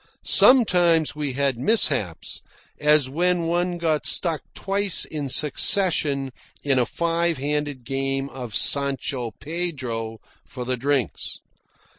Sometimes we had mishaps, as when one got stuck twice in succession in a five handed game of Sancho Pedro for the drinks.